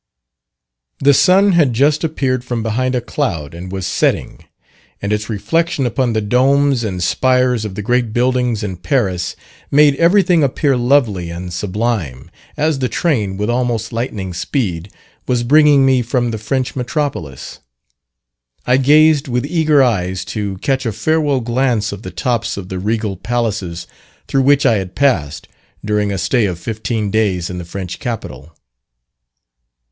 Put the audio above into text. The sun had just appeared from behind a cloud and was setting, and its reflection upon the domes and spires of the great buildings in Paris made everything appear lovely and sublime, as the train, with almost lightning speed, was bringing me from the French metropolis. I gazed with eager eyes to catch a farewell glance of the tops of the regal palaces through which I had passed, during a stay of fifteen days in the French capital.